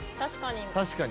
確かに。